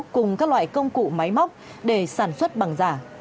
cùng các loại công cụ máy móc để sản xuất bằng giả